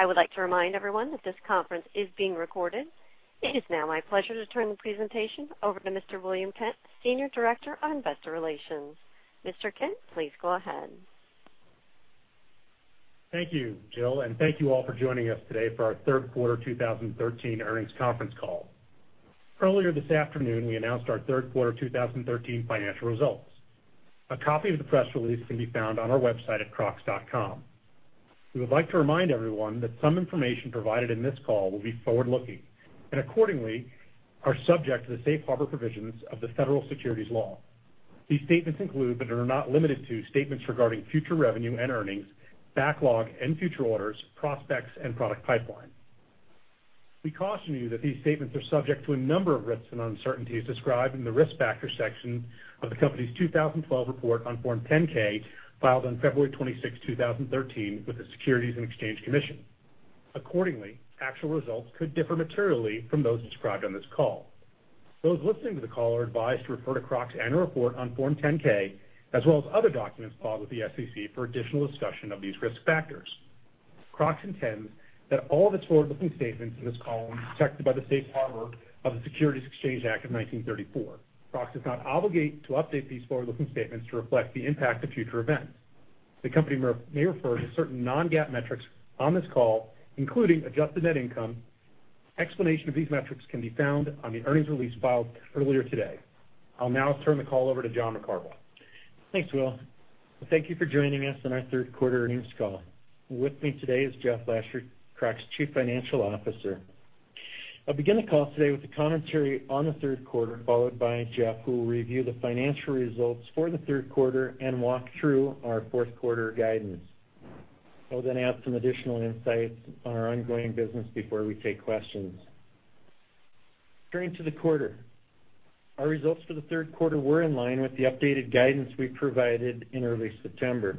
I would like to remind everyone that this conference is being recorded. It is now my pleasure to turn the presentation over to Mr. William Kent, Senior Director on Investor Relations. Mr. Kent, please go ahead. Thank you, Jill, and thank you all for joining us today for our third quarter 2013 earnings conference call. Earlier this afternoon, we announced our third quarter 2013 financial results. A copy of the press release can be found on our website at crocs.com. We would like to remind everyone that some information provided in this call will be forward-looking, and accordingly, are subject to the safe harbor provisions of the Federal securities law. These statements include, but are not limited to, statements regarding future revenue and earnings, backlog and future orders, prospects, and product pipeline. We caution you that these statements are subject to a number of risks and uncertainties described in the Risk Factor section of the company's 2012 report on Form 10-K, filed on February 26, 2013, with the Securities and Exchange Commission. Actual results could differ materially from those described on this call. Those listening to the call are advised to refer to Crocs' annual report on Form 10-K, as well as other documents filed with the SEC for additional discussion of these risk factors. Crocs intends that all of its forward-looking statements in this call protected by the safe harbor of the Securities Exchange Act of 1934. Crocs is not obligated to update these forward-looking statements to reflect the impact of future events. The company may refer to certain non-GAAP metrics on this call, including adjusted net income. Explanation of these metrics can be found on the earnings release filed earlier today. I'll now turn the call over to John McCarvel. Thanks, Will. Thank you for joining us on our third quarter earnings call. With me today is Jeff Lasher, Crocs Chief Financial Officer. I'll begin the call today with a commentary on the third quarter, followed by Jeff, who will review the financial results for the third quarter and walk through our fourth quarter guidance. I'll then add some additional insights on our ongoing business before we take questions. Turning to the quarter, our results for the third quarter were in line with the updated guidance we provided in early September.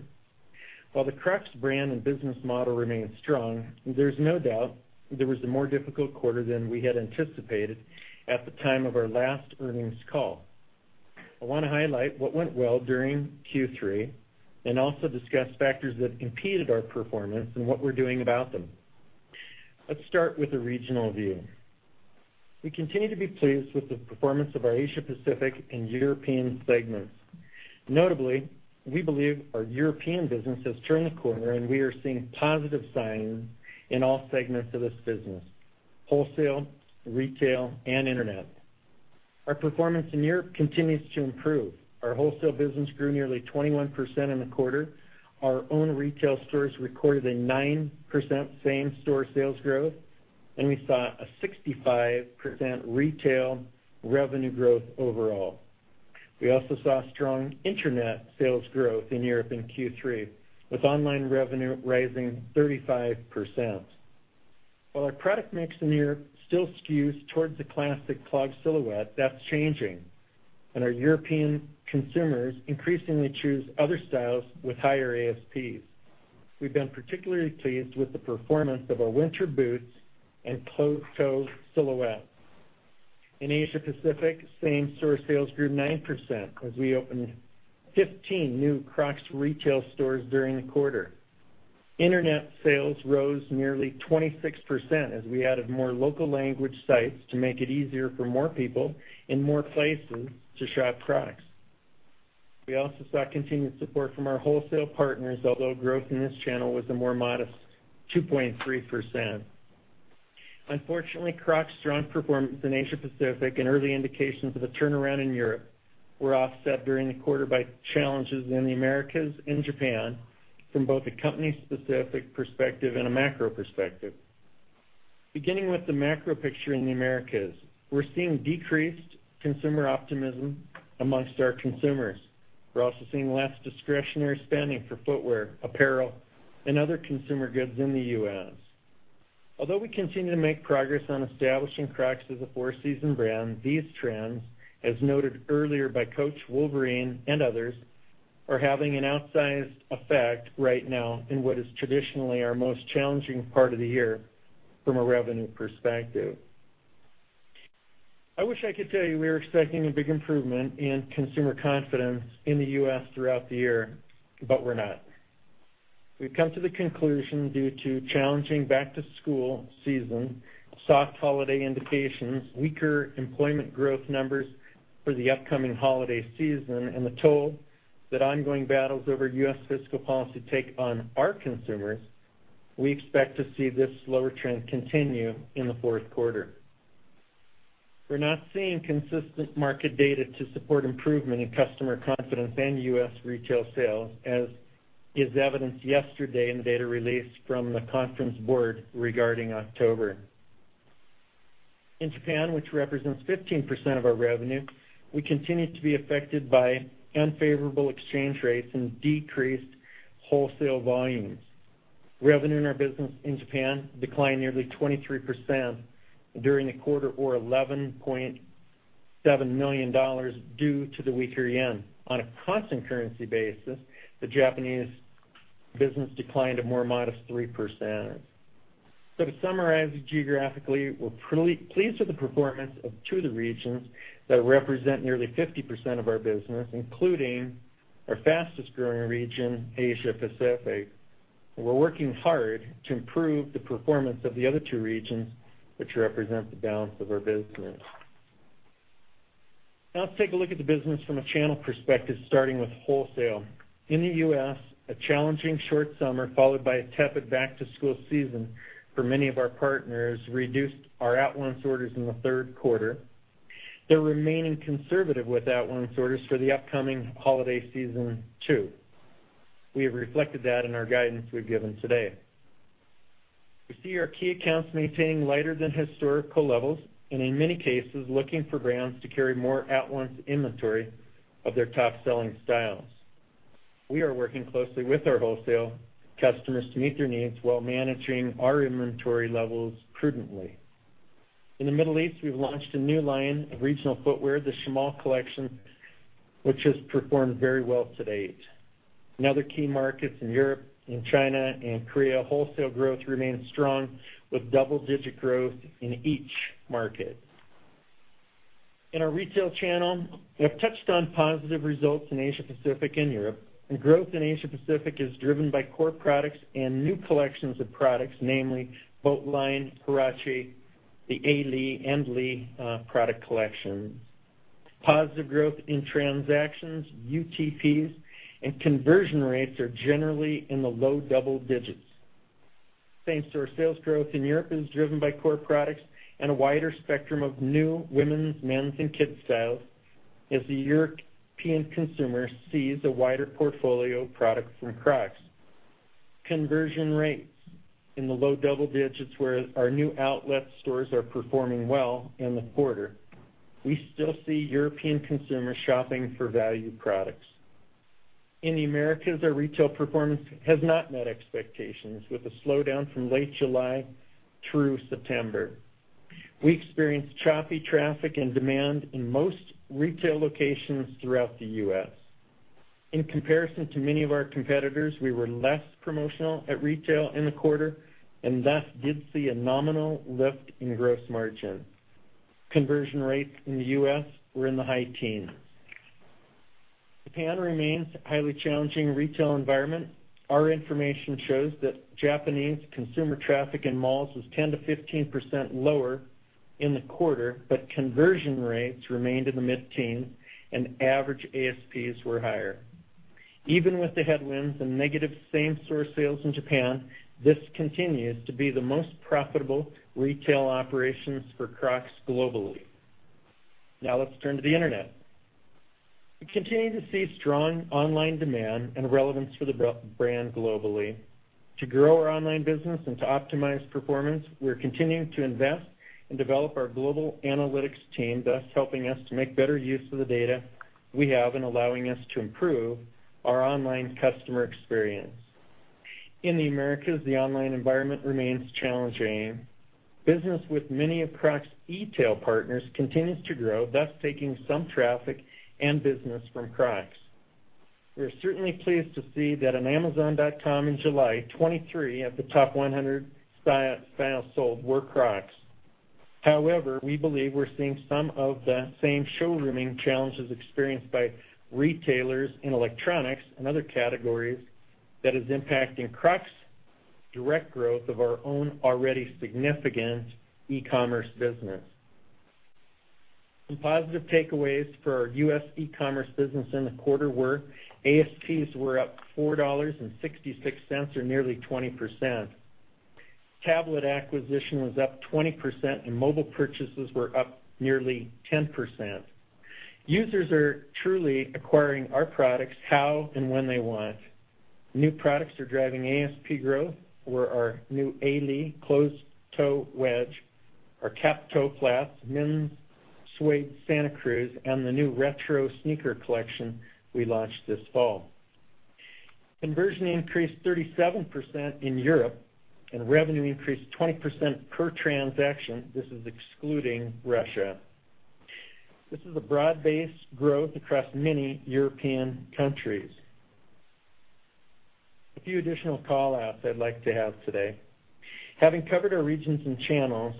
While the Crocs brand and business model remains strong, there's no doubt this was a more difficult quarter than we had anticipated at the time of our last earnings call. I want to highlight what went well during Q3, and also discuss factors that competed our performance and what we're doing about them. Let's start with a regional view. We continue to be pleased with the performance of our Asia Pacific and European segments. Notably, we believe our European business has turned the corner, and we are seeing positive signs in all segments of this business: wholesale, retail, and internet. Our performance in Europe continues to improve. Our wholesale business grew nearly 21% in the quarter. Our own retail stores recorded a 9% same-store sales growth, and we saw a 65% retail revenue growth overall. We also saw strong internet sales growth in Europe in Q3, with online revenue rising 35%. While our product mix in Europe still skews towards the classic clog silhouette, that's changing, and our European consumers increasingly choose other styles with higher ASPs. We've been particularly pleased with the performance of our winter boots and closed-toe silhouettes. In Asia Pacific, same-store sales grew 9% as we opened 15 new Crocs retail stores during the quarter. Internet sales rose nearly 26% as we added more local language sites to make it easier for more people in more places to shop Crocs. We also saw continued support from our wholesale partners, although growth in this channel was a more modest 2.3%. Unfortunately, Crocs strong performance in Asia Pacific and early indications of a turnaround in Europe were offset during the quarter by challenges in the Americas and Japan from both a company specific perspective and a macro perspective. Beginning with the macro picture in the Americas, we're seeing decreased consumer optimism amongst our consumers. We're also seeing less discretionary spending for footwear, apparel, and other consumer goods in the U.S. Although we continue to make progress on establishing Crocs as a four-season brand, these trends, as noted earlier by Coach, Wolverine, and others, are having an outsized effect right now in what is traditionally our most challenging part of the year from a revenue perspective. I wish I could tell you we are expecting a big improvement in consumer confidence in the U.S. throughout the year, but we're not. We've come to the conclusion due to challenging back-to-school season, soft holiday indications, weaker employment growth numbers for the upcoming holiday season, and the toll that ongoing battles over U.S. fiscal policy take on our consumers, we expect to see this slower trend continue in the fourth quarter. We're not seeing consistent market data to support improvement in customer confidence and U.S. retail sales, as is evidenced yesterday in data released from The Conference Board regarding October. In Japan, which represents 15% of our revenue, we continue to be affected by unfavorable exchange rates and decreased wholesale volumes. Revenue in our business in Japan declined nearly 23% during the quarter, or $11.7 million due to the weaker yen. On a constant currency basis, the Japanese business declined a more modest 3%. To summarize geographically, we're pleased with the performance of two of the regions that represent nearly 50% of our business, including our fastest growing region, Asia Pacific. We're working hard to improve the performance of the other two regions, which represent the balance of our business. Let's take a look at the business from a channel perspective, starting with wholesale. In the U.S., a challenging short summer followed by a tepid back-to-school season for many of our partners reduced our at-once orders in the third quarter. They're remaining conservative with at-once orders for the upcoming holiday season, too. We have reflected that in our guidance we've given today. We see our key accounts maintaining lighter than historical levels, and in many cases, looking for brands to carry more at-once inventory of their top-selling styles. We are working closely with our wholesale customers to meet their needs while managing our inventory levels prudently. In the Middle East, we've launched a new line of regional footwear, the Shamal collection, which has performed very well to date. In other key markets in Europe, in China, and Korea, wholesale growth remains strong with double-digit growth in each market. In our retail channel, we have touched on positive results in Asia Pacific and Europe, and growth in Asia Pacific is driven by core products and new collections of products, namely, boat line, Huarache, the A-Leigh and Leigh product collections. Positive growth in transactions, UPTs, and conversion rates are generally in the low double digits. Same-store sales growth in Europe is driven by core products and a wider spectrum of new women's, men's, and kids' styles as the European consumer sees a wider portfolio of products from Crocs. Conversion rates in the low double digits, where our new outlet stores are performing well in the quarter. We still see European consumers shopping for value products. In the Americas, our retail performance has not met expectations, with a slowdown from late July through September. We experienced choppy traffic and demand in most retail locations throughout the U.S. In comparison to many of our competitors, we were less promotional at retail in the quarter and thus did see a nominal lift in gross margin. Conversion rates in the U.S. were in the high teens. Japan remains a highly challenging retail environment. Our information shows that Japanese consumer traffic in malls was 10%-15% lower in the quarter, but conversion rates remained in the mid-teens, and average ASPs were higher. Even with the headwinds and negative same-store sales in Japan, this continues to be the most profitable retail operations for Crocs globally. Let's turn to the internet. We continue to see strong online demand and relevance for the brand globally. To grow our online business and to optimize performance, we're continuing to invest and develop our global analytics team, thus helping us to make better use of the data we have and allowing us to improve our online customer experience. In the Americas, the online environment remains challenging. Business with many of Crocs' e-tail partners continues to grow, thus taking some traffic and business from Crocs. We are certainly pleased to see that on amazon.com in July, 23 of the top 100 styles sold were Crocs. We believe we're seeing some of the same showrooming challenges experienced by retailers in electronics and other categories that is impacting Crocs' direct growth of our own already significant e-commerce business. Some positive takeaways for our U.S. e-commerce business in the quarter were ASPs were up $4.66, or nearly 20%. Tablet acquisition was up 20%, and mobile purchases were up nearly 10%. Users are truly acquiring our products how and when they want. New products are driving ASP growth were our new A-Leigh closed-toe wedge, our Cap Toe flats, men's suede Santa Cruz, and the new retro sneaker collection we launched this fall. Conversion increased 37% in Europe, and revenue increased 20% per transaction. This is excluding Russia. This is a broad-based growth across many European countries. A few additional call-outs I'd like to have today. Having covered our regions and channels,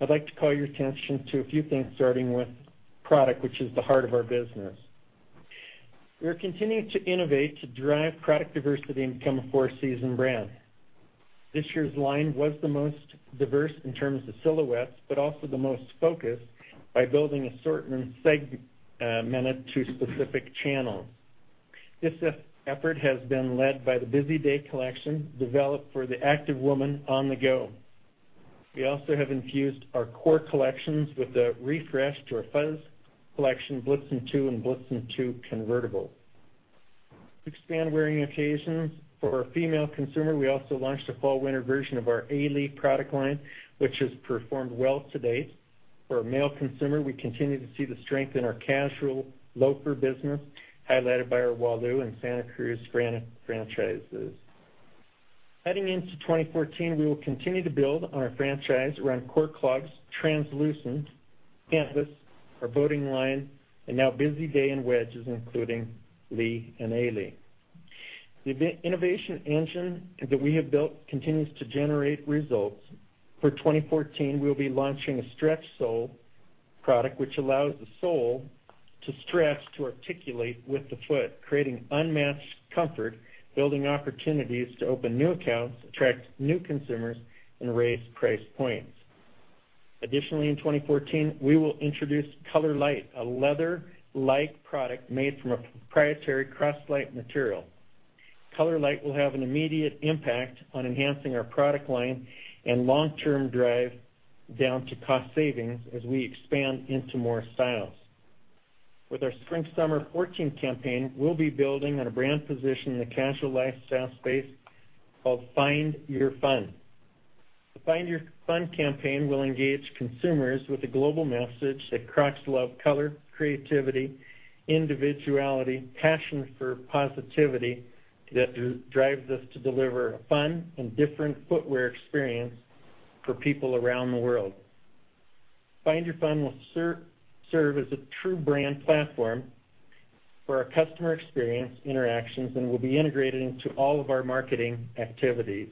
I'd like to call your attention to a few things, starting with product, which is the heart of our business. We are continuing to innovate to drive product diversity and become a four-season brand. This year's line was the most diverse in terms of silhouettes, but also the most focused by building assortment segmented to specific channels. This effort has been led by the Busy Day collection, developed for the active woman on the go. We also have infused our core collections with a refresh to our Fuzz collection, Blitzen II and Blitzen II Convertible. To expand wearing occasions for our female consumer, we also launched a fall/winter version of our A-Leigh product line, which has performed well to date. For our male consumer, we continue to see the strength in our casual loafer business, highlighted by our Walu and Santa Cruz franchises. Heading into 2014, we will continue to build on our franchise around core clogs, translucent canvas, our boat line, and now Busy Day and wedges, including Leigh and A-Leigh. The innovation engine that we have built continues to generate results. For 2014, we'll be launching a Stretch Sole product, which allows the sole to stretch to articulate with the foot, creating unmatched comfort, building opportunities to open new accounts, attract new consumers, and raise price points. Additionally, in 2014, we will introduce ColorLite, a leather-like product made from a proprietary Croslite material. ColorLite will have an immediate impact on enhancing our product line and long-term drive down to cost savings as we expand into more styles. With our spring/summer 2014 campaign, we'll be building on a brand position in the casual lifestyle space called Find Your Fun. The Find Your Fun campaign will engage consumers with a global message that Crocs love color, creativity, individuality, passion for positivity that drives us to deliver a fun and different footwear experience for people around the world. Find Your Fun will serve as a true brand platform for our customer experience interactions and will be integrated into all of our marketing activities.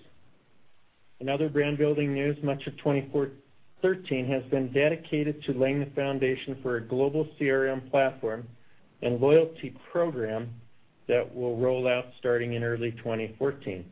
In other brand-building news, much of 2013 has been dedicated to laying the foundation for a global CRM platform and loyalty program that we'll roll out starting in early 2014.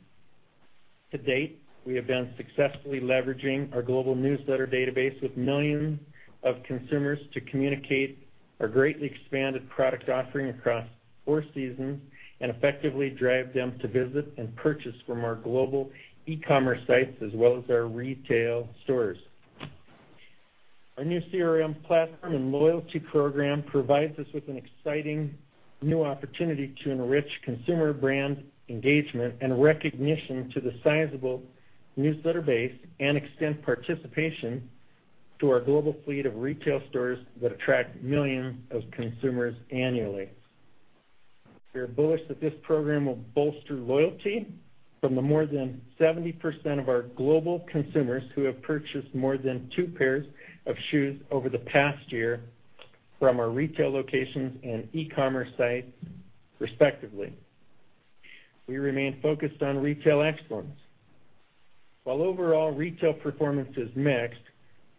To date, we have been successfully leveraging our global newsletter database with millions of consumers to communicate our greatly expanded product offering across four seasons and effectively drive them to visit and purchase from our global e-commerce sites as well as our retail stores. Our new CRM platform and loyalty program provides us with an exciting new opportunity to enrich consumer brand engagement and recognition to the sizable newsletter base and extend participation to our global fleet of retail stores that attract millions of consumers annually. We are bullish that this program will bolster loyalty from the more than 70% of our global consumers who have purchased more than two pairs of shoes over the past year from our retail locations and e-commerce sites, respectively. We remain focused on retail excellence. While overall retail performance is mixed,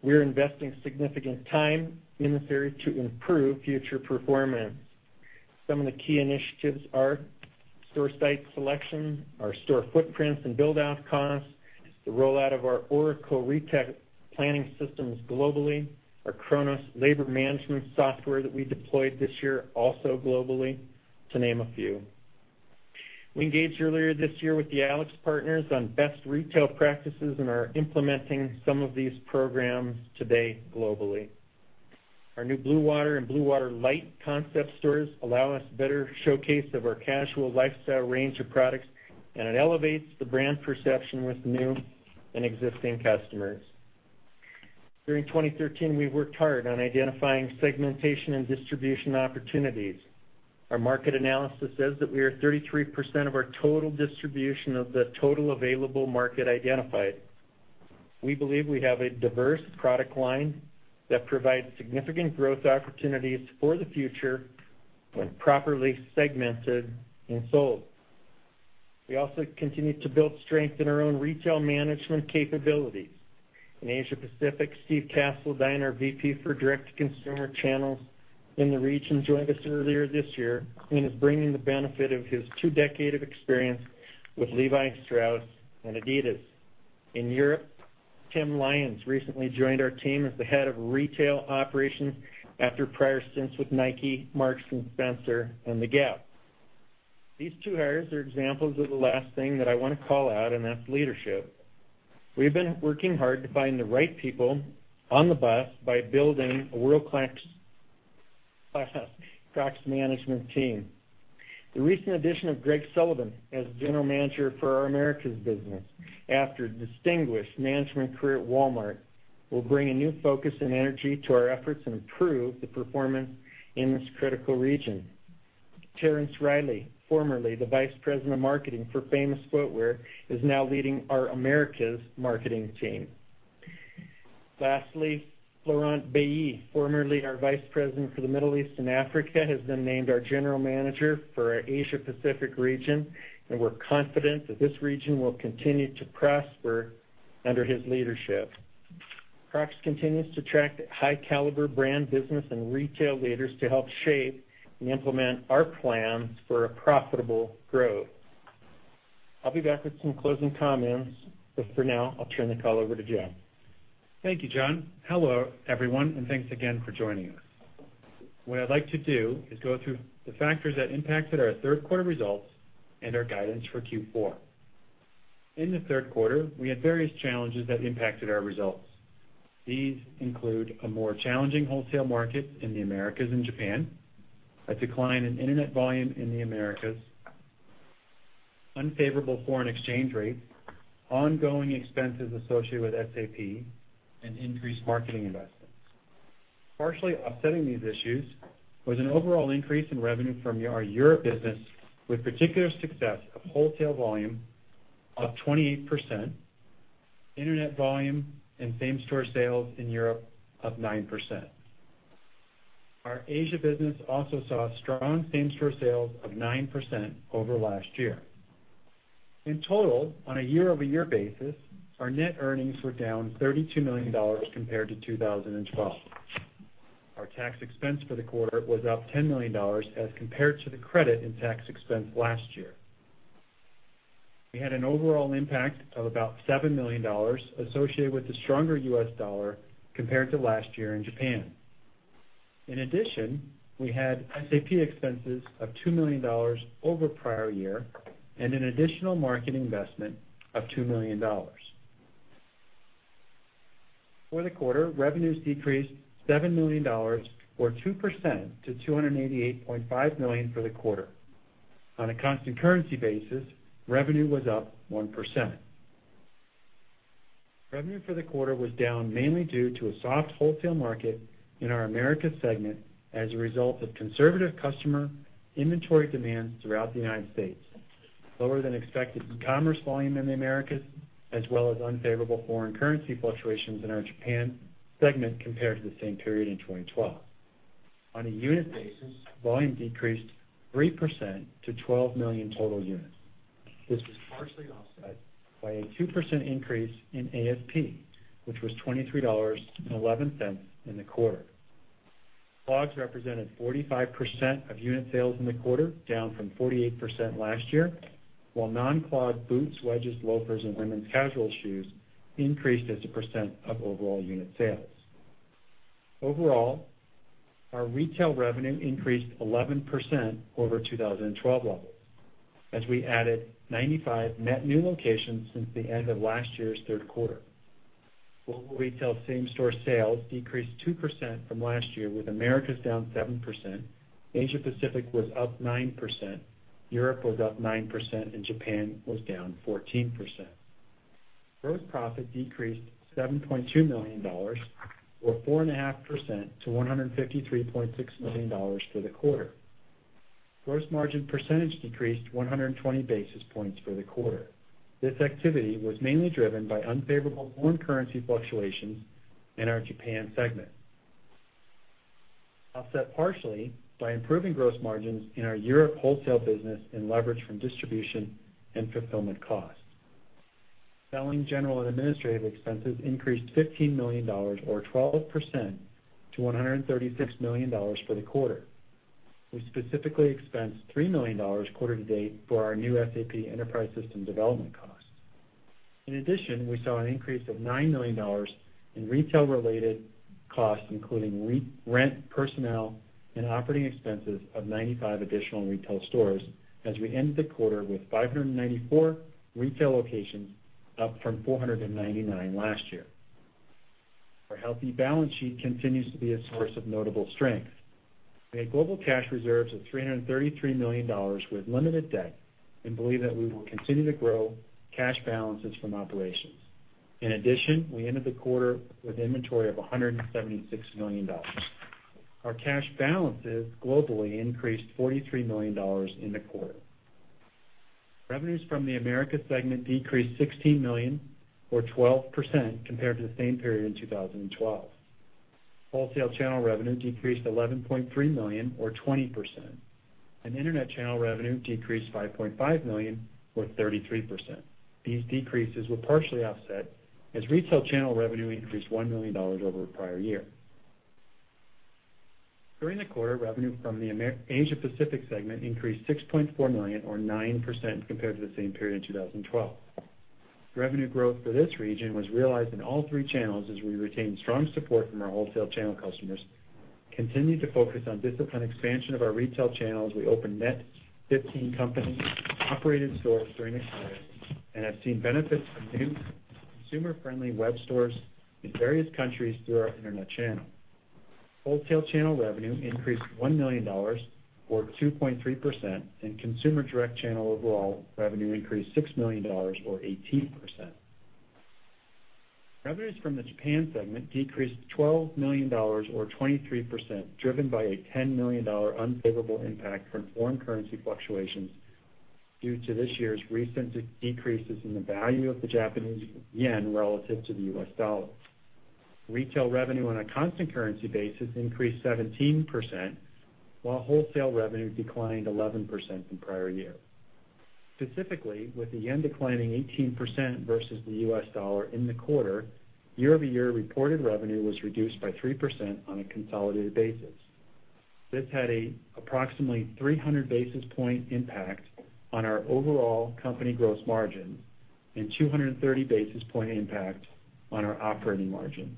we're investing significant time in this area to improve future performance. Some of the key initiatives are store site selection, our store footprints and build-out costs, the rollout of our Oracle retail planning systems globally, our Kronos labor management software that we deployed this year also globally, to name a few. We engaged earlier this year with AlixPartners on best retail practices and are implementing some of these programs today globally. Our new BlueWater and BlueWater Light concept stores allow us better showcase of our casual lifestyle range of products, and it elevates the brand perception with new and existing customers. During 2013, we worked hard on identifying segmentation and distribution opportunities. Our market analysis says that we are 33% of our total distribution of the total available market identified. We believe we have a diverse product line that provides significant growth opportunities for the future when properly segmented and sold. We also continue to build strength in our own retail management capabilities. In Asia Pacific, Steve Castledine, our VP for direct consumer channels in the region, joined us earlier this year and is bringing the benefit of his two decade of experience with Levi Strauss and Adidas. In Europe, Tim Lyons recently joined our team as the head of retail operations after prior stints with Nike, Marks & Spencer, and The Gap. These two hires are examples of the last thing that I want to call out, and that's leadership. We've been working hard to find the right people on the bus by building a world-class Crocs management team. The recent addition of Greg Sullivan as General Manager for our Americas business after a distinguished management career at Walmart will bring a new focus and energy to our efforts and improve the performance in this critical region. Terrence Reilly, formerly the Vice President of Marketing for Famous Footwear, is now leading our Americas marketing team. Florent Bailly, formerly our Vice President for the Middle East and Africa, has been named our General Manager for our Asia Pacific region, and we're confident that this region will continue to prosper under his leadership. Crocs continues to attract high-caliber brand business and retail leaders to help shape and implement our plans for a profitable growth. I'll be back with some closing comments, for now, I'll turn the call over to Jim. Thank you, John. Hello, everyone, thanks again for joining us. What I'd like to do is go through the factors that impacted our third quarter results and our guidance for Q4. In the third quarter, we had various challenges that impacted our results. These include a more challenging wholesale market in the Americas and Japan, a decline in internet volume in the Americas, unfavorable foreign exchange rates, ongoing expenses associated with SAP, and increased marketing investments. Partially offsetting these issues was an overall increase in revenue from our Europe business, with particular success of wholesale volume up 28%, internet volume and same-store sales in Europe up 9%. Our Asia business also saw strong same-store sales of 9% over last year. In total, on a year-over-year basis, our net earnings were down $32 million compared to 2012. Our tax expense for the quarter was up $10 million as compared to the credit in tax expense last year. We had an overall impact of about $7 million associated with the stronger US dollar compared to last year in Japan. In addition, we had SAP expenses of $2 million over prior year and an additional market investment of $2 million. For the quarter, revenues decreased $7 million or 2% to $288.5 million for the quarter. On a constant currency basis, revenue was up 1%. Revenue for the quarter was down mainly due to a soft wholesale market in our Americas segment as a result of conservative customer inventory demands throughout the United States, lower than expected commerce volume in the Americas, as well as unfavorable foreign currency fluctuations in our Japan segment compared to the same period in 2012. On a unit basis, volume decreased 3% to 12 million total units. This was partially offset by a 2% increase in ASP, which was $23.11 in the quarter. Clogs represented 45% of unit sales in the quarter, down from 48% last year, while non-clog boots, wedges, loafers, and women's casual shoes increased as a percent of overall unit sales. Overall, our retail revenue increased 11% over 2012 levels as we added 95 net new locations since the end of last year's third quarter. Global retail same-store sales decreased 2% from last year with Americas down 7%, Asia Pacific was up 9%, Europe was up 9%, and Japan was down 14%. Gross profit decreased $7.2 million or 4.5% to $153.6 million for the quarter. Gross margin percentage decreased 120 basis points for the quarter. This activity was mainly driven by unfavorable foreign currency fluctuations in our Japan segment, offset partially by improving gross margins in our Europe wholesale business and leverage from distribution and fulfillment costs. Selling, general, and administrative expenses increased $15 million or 12% to $136 million for the quarter. We specifically expensed $3 million quarter to date for our new SAP enterprise system development costs. In addition, we saw an increase of $9 million in retail-related costs, including rent, personnel, and operating expenses of 95 additional retail stores as we ended the quarter with 594 retail locations, up from 499 last year. Our healthy balance sheet continues to be a source of notable strength. We have global cash reserves of $333 million with limited debt and believe that we will continue to grow cash balances from operations. In addition, we ended the quarter with inventory of $176 million. Our cash balances globally increased $43 million in the quarter. Revenues from the Americas segment decreased $16 million or 12% compared to the same period in 2012. Wholesale channel revenue decreased $11.3 million or 20%, and internet channel revenue decreased $5.5 million or 33%. These decreases were partially offset as retail channel revenue increased $1 million over the prior year. During the quarter, revenue from the Asia Pacific segment increased $6.4 million or 9% compared to the same period in 2012. Revenue growth for this region was realized in all three channels as we retained strong support from our wholesale channel customers, continued to focus on disciplined expansion of our retail channels. We opened net 15 company-operated stores during the quarter and have seen benefits from new consumer-friendly web stores in various countries through our internet channel. Wholesale channel revenue increased $1 million or 2.3%, consumer direct channel overall revenue increased $6 million or 18%. Revenues from the Japan segment decreased $12 million or 23%, driven by a $10 million unfavorable impact from foreign currency fluctuations due to this year's recent decreases in the value of the Japanese yen relative to the U.S. dollar. Retail revenue on a constant currency basis increased 17%, while wholesale revenue declined 11% from prior year. Specifically, with the yen declining 18% versus the U.S. dollar in the quarter, year-over-year reported revenue was reduced by 3% on a consolidated basis. This had an approximately 300 basis point impact on our overall company gross margin and 230 basis point impact on our operating margins.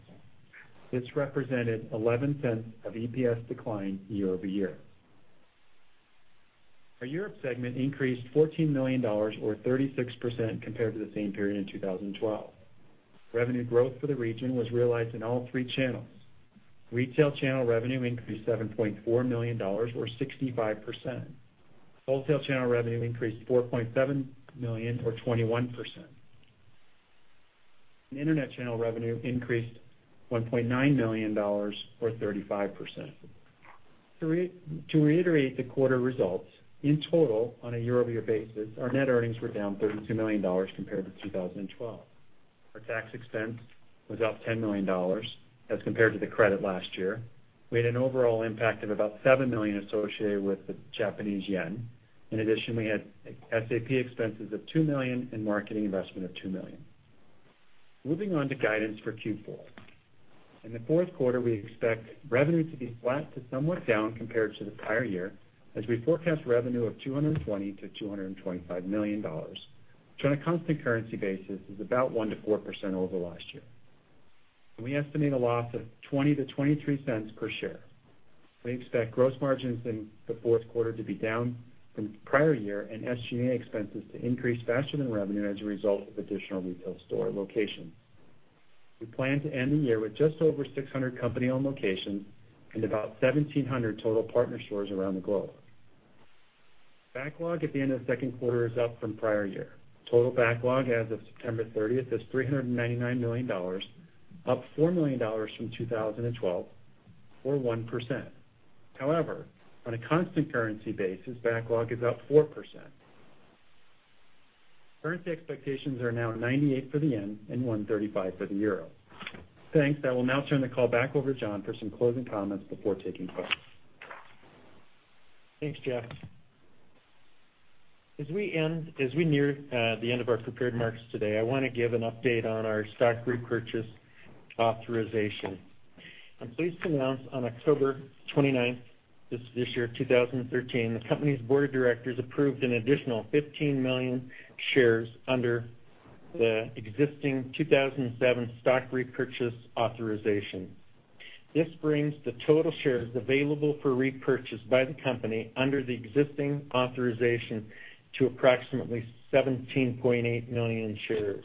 This represented $0.11 of EPS decline year-over-year. Our Europe segment increased $14 million or 36% compared to the same period in 2012. Revenue growth for the region was realized in all three channels. Retail channel revenue increased $7.4 million or 65%. Wholesale channel revenue increased $4.7 million or 21%. Internet channel revenue increased $1.9 million or 35%. To reiterate the quarter results, in total, on a year-over-year basis, our net earnings were down $32 million compared to 2012. Our tax expense was up $10 million as compared to the credit last year. We had an overall impact of about $7 million associated with the Japanese yen. In addition, we had SAP expenses of $2 million and marketing investment of $2 million. Moving on to guidance for Q4. In the fourth quarter, we expect revenue to be flat to somewhat down compared to the prior year, as we forecast revenue of $220 million-$225 million, which on a constant currency basis is about 1%-4% over last year. We estimate a loss of $0.20-$0.23 per share. We expect gross margins in the fourth quarter to be down from prior year and SG&A expenses to increase faster than revenue as a result of additional retail store locations. We plan to end the year with just over 600 company-owned locations and about 1,700 total partner stores around the globe. Backlog at the end of the second quarter is up from prior year. Total backlog as of September 30th is $399 million, up $4 million from 2012 or 1%. However, on a constant currency basis, backlog is up 4%. Currency expectations are now 98 for the yen and 135 for the euro. Thanks. I will now turn the call back over to John for some closing comments before taking questions. Thanks, Jeff. As we near the end of our prepared remarks today, I want to give an update on our stock repurchase authorization. I'm pleased to announce on October 29th, this year, 2013, the company's board of directors approved an additional 15 million shares under the existing 2007 stock repurchase authorization. This brings the total shares available for repurchase by the company under the existing authorization to approximately 17.8 million shares.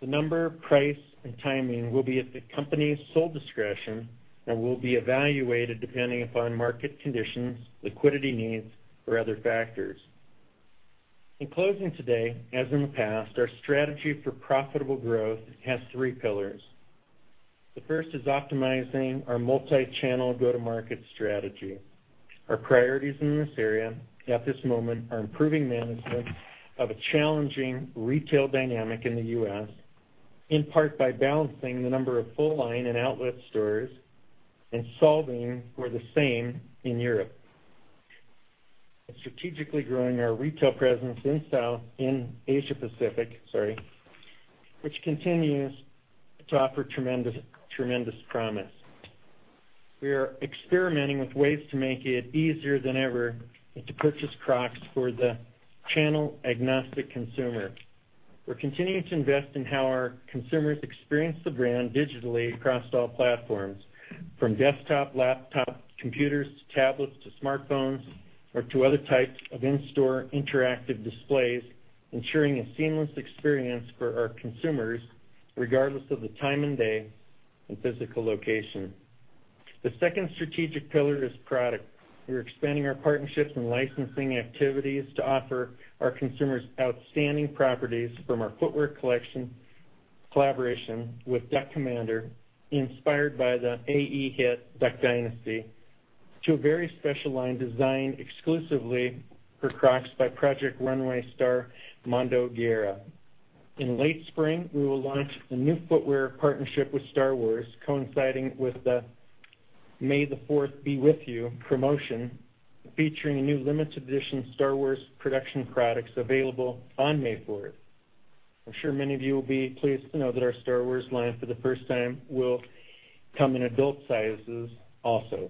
The number, price, and timing will be at the company's sole discretion and will be evaluated depending upon market conditions, liquidity needs, or other factors. In closing today, as in the past, our strategy for profitable growth has three pillars. The first is optimizing our multi-channel go-to-market strategy. Our priorities in this area at this moment are improving management of a challenging retail dynamic in the U.S., in part by balancing the number of full-line and outlet stores and solving for the same in Europe. Strategically growing our retail presence in Asia Pacific, sorry, which continues to offer tremendous promise. We are experimenting with ways to make it easier than ever to purchase Crocs for the channel-agnostic consumer. We're continuing to invest in how our consumers experience the brand digitally across all platforms, from desktop, laptop computers, to tablets, to smartphones, or to other types of in-store interactive displays, ensuring a seamless experience for our consumers, regardless of the time and day and physical location. The second strategic pillar is product. We're expanding our partnerships and licensing activities to offer our consumers outstanding properties from our footwear collection collaboration with Duck Commander, inspired by the A&E hit "Duck Dynasty," to a very special line designed exclusively for Crocs by "Project Runway" star, Mondo Guerra. In late spring, we will launch a new footwear partnership with Star Wars coinciding with the May the 4th Be With You promotion, featuring a new limited edition Star Wars production Crocs available on May 4th. I'm sure many of you will be pleased to know that our Star Wars line for the first time will come in adult sizes also.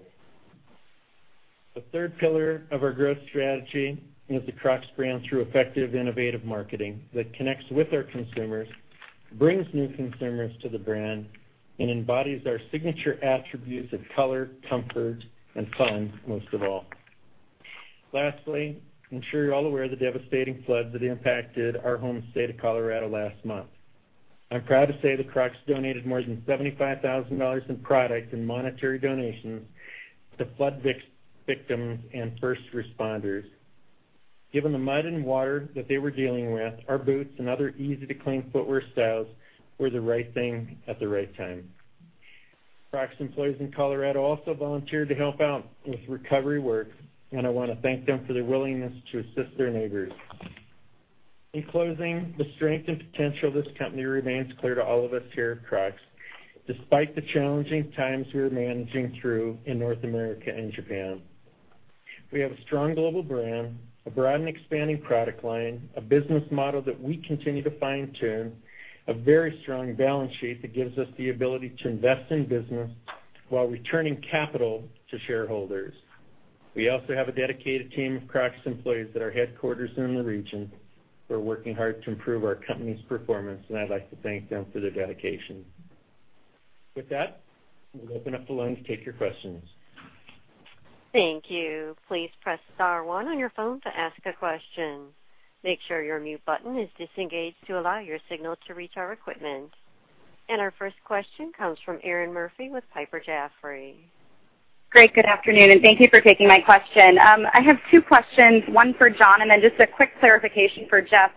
The third pillar of our growth strategy is the Crocs brand through effective innovative marketing that connects with our consumers, brings new consumers to the brand, and embodies our signature attributes of color, comfort, and fun, most of all. Lastly, I'm sure you're all aware of the devastating floods that impacted our home state of Colorado last month. I'm proud to say that Crocs donated more than $75,000 in product and monetary donations to flood victims and first responders. Given the mud and water that they were dealing with, our boots and other easy-to-clean footwear styles were the right thing at the right time. Crocs employees in Colorado also volunteered to help out with recovery work, and I want to thank them for their willingness to assist their neighbors. In closing, the strength and potential of this company remains clear to all of us here at Crocs, despite the challenging times we are managing through in North America and Japan. We have a strong global brand, a broad and expanding product line, a business model that we continue to fine-tune, a very strong balance sheet that gives us the ability to invest in business while returning capital to shareholders. We also have a dedicated team of Crocs employees at our headquarters and in the region who are working hard to improve our company's performance, and I'd like to thank them for their dedication. With that, we'll open up the line to take your questions. Thank you. Please press star one on your phone to ask a question. Make sure your mute button is disengaged to allow your signal to reach our equipment. Our first question comes from Erinn Murphy with Piper Jaffray. Great. Good afternoon, and thank you for taking my question. I have two questions, one for John, and then just a quick clarification for Jeff.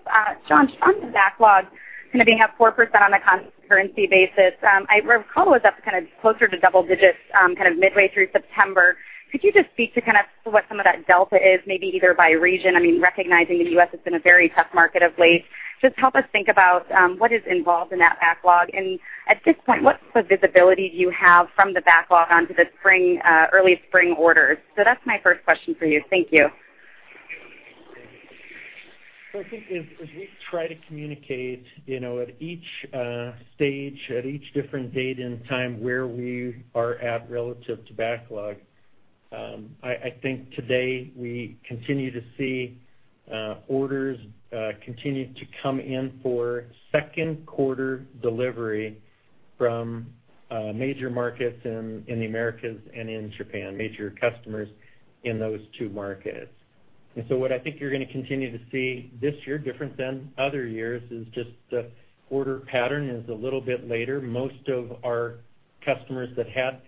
John, on the backlog, being up 4% on a constant currency basis. I recall it was up closer to double digits midway through September. Could you just speak to what some of that delta is, maybe either by region, recognizing the U.S. has been a very tough market of late. Just help us think about what is involved in that backlog. At this point, what visibility do you have from the backlog onto the early spring orders? That's my first question for you. Thank you. I think as we try to communicate, at each stage, at each different date and time, where we are at relative to backlog. I think today we continue to see orders continue to come in for second quarter delivery from major markets in the Americas and in Japan, major customers in those two markets. What I think you're going to continue to see this year, different than other years, is just the order pattern is a little bit later. Most of our customers that had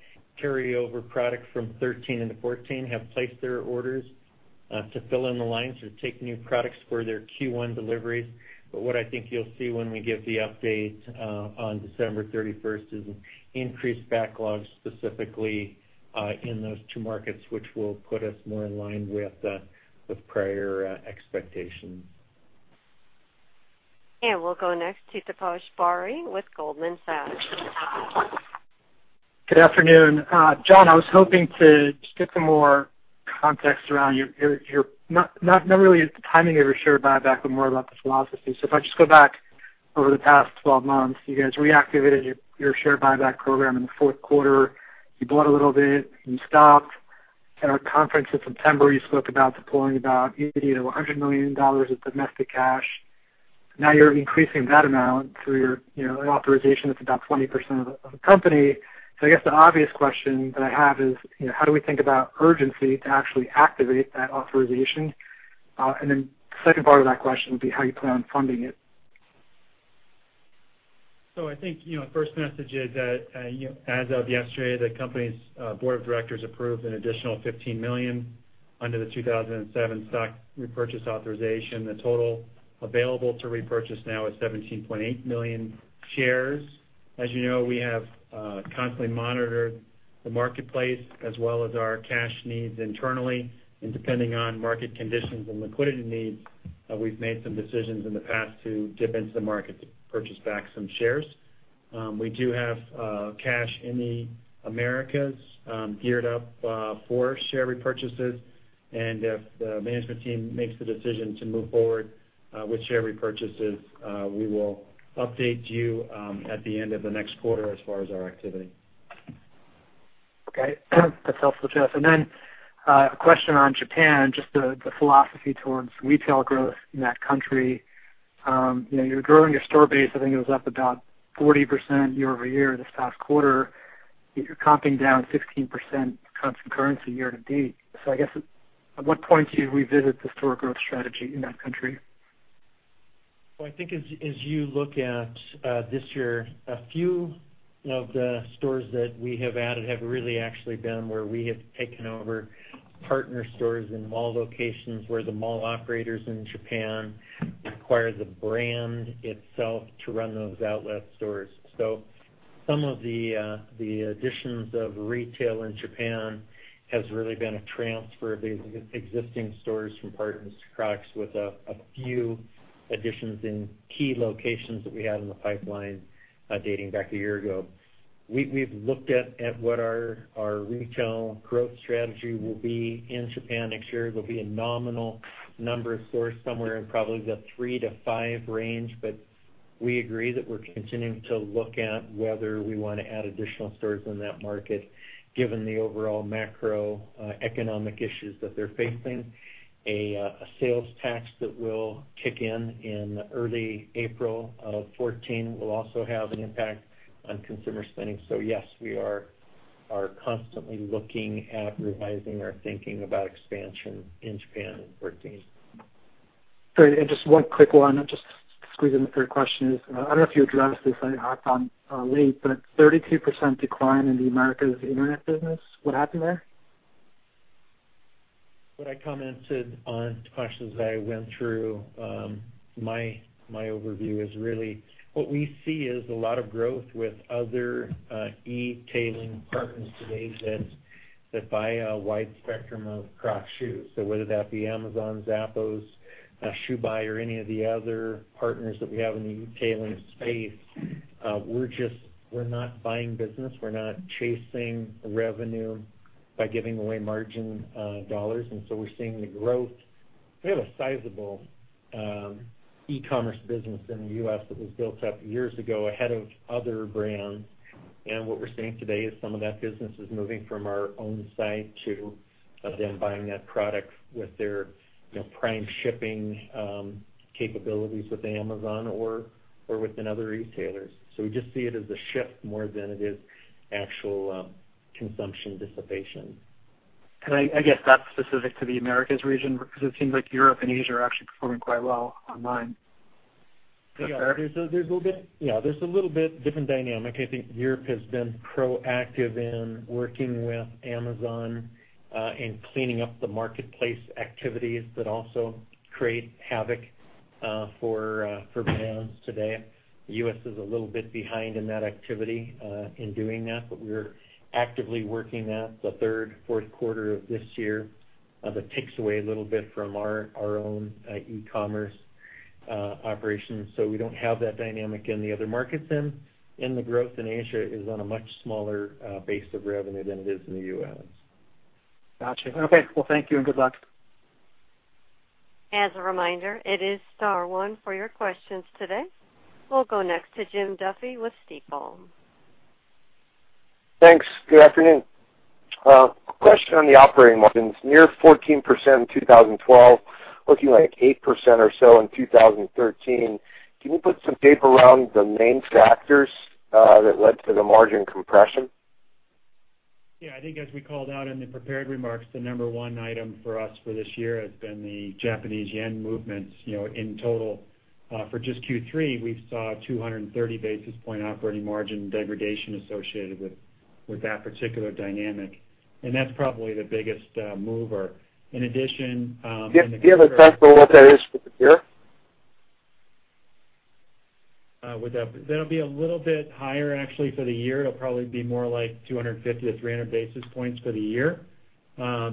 carryover product from 2013 into 2014 have placed their orders to fill in the lines or take new products for their Q1 deliveries. What I think you'll see when we give the update on December 31st is increased backlog specifically in those two markets, which will put us more in line with the prior expectations. We'll go next to Taposh Bari with Goldman Sachs. Good afternoon. John, I was hoping to just get some more context around, not really the timing of your share buyback, but more about the philosophy. If I just go back over the past 12 months, you guys reactivated your share buyback program in the fourth quarter. You bought a little bit, and you stopped. At our conference in September, you spoke about deploying about $80 million-$100 million of domestic cash. Now you're increasing that amount through an authorization that's about 20% of the company. I guess the obvious question that I have is: how do we think about urgency to actually activate that authorization? The second part of that question would be how you plan on funding it. I think, first message is that, as of yesterday, the company's board of directors approved an additional 15 million under the 2007 stock repurchase authorization. The total available to repurchase now is 17.8 million shares. As you know, we have constantly monitored the marketplace as well as our cash needs internally, and depending on market conditions and liquidity needs, we've made some decisions in the past to dip into the market to purchase back some shares. We do have cash in the Americas geared up for share repurchases, and if the management team makes the decision to move forward with share repurchases, we will update you at the end of the next quarter as far as our activity. Okay. That's helpful, Jeff. A question on Japan, just the philosophy towards retail growth in that country. You're growing your store base. I think it was up about 40% year-over-year this past quarter, yet you're comping down 15% constant currency year to date. I guess, at what point do you revisit the store growth strategy in that country? I think as you look at this year, a few of the stores that we have added have really actually been where we have taken over partner stores in mall locations where the mall operators in Japan require the brand itself to run those outlet stores. Some of the additions of retail in Japan has really been a transfer of the existing stores from partners to Crocs with a few additions in key locations that we had in the pipeline dating back a year ago. We've looked at what our retail growth strategy will be in Japan next year. It will be a nominal number of stores, somewhere in probably the three to five range. We agree that we're continuing to look at whether we want to add additional stores in that market, given the overall macroeconomic issues that they're facing. A sales tax that will kick in in early April of 2014 will also have an impact on consumer spending. Yes, we are constantly looking at revising our thinking about expansion in Japan in 2014. Great. Just one quick one, just to squeeze in the third question is, I don't know if you addressed this. I hopped on late, but a 32% decline in the Americas internet business. What happened there? What I commented on, Taposh, as I went through my overview, is really what we see is a lot of growth with other e-tailing partners today that buy a wide spectrum of Crocs shoes. Whether that be Amazon, Zappos, ShoeBuy, or any of the other partners that we have in the e-tailing space, we're not buying business. We're not chasing revenue by giving away margin dollars. We're seeing the growth. We have a sizable e-commerce business in the U.S. that was built up years ago ahead of other brands. What we're seeing today is some of that business is moving from our own site to them buying that product with their Prime shipping capabilities with Amazon or with another retailers. We just see it as a shift more than it is actual consumption dissipation. I guess that's specific to the Americas region because it seems like Europe and Asia are actually performing quite well online. Yeah. There's a little bit different dynamic. I think Europe has been proactive in working with Amazon in cleaning up the marketplace activities that also create havoc for brands today. The U.S. is a little bit behind in that activity in doing that, but we're actively working that the third, fourth quarter of this year. That takes away a little bit from our own e-commerce operations. We don't have that dynamic in the other markets then. The growth in Asia is on a much smaller base of revenue than it is in the U.S. Got you. Okay. Well, thank you and good luck. As a reminder, it is star one for your questions today. We'll go next to Jim Duffy with Stifel. Thanks. Good afternoon. A question on the operating margins, near 14% in 2012, looking like 8% or so in 2013. Can you put some tape around the main factors that led to the margin compression? Yeah, I think as we called out in the prepared remarks, the number one item for us for this year has been the Japanese yen movements. In total for just Q3, we saw 230 basis point operating margin degradation associated with that particular dynamic. That's probably the biggest mover. In addition- Do you have a time for what that is for the year? That'll be a little bit higher actually for the year. It'll probably be more like 250 to 300 basis points for the year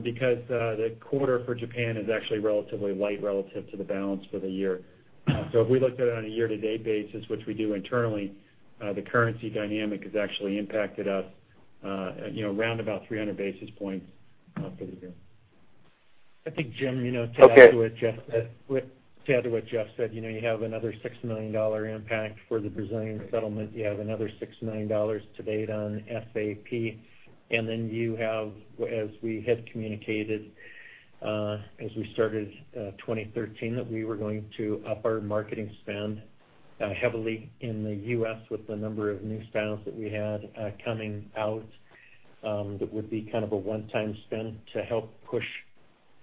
because the quarter for Japan is actually relatively light relative to the balance for the year. If we looked at it on a year-to-date basis, which we do internally, the currency dynamic has actually impacted us around about 300 basis points for the year. I think, Jim, to add to what Jeff said, you have another $6 million impact for the Brazilian settlement. You have another $6 million to date on SAP. Then you have, as we had communicated as we started 2013, that we were going to up our marketing spend heavily in the U.S. with the number of new styles that we had coming out. That would be kind of a one-time spend to help push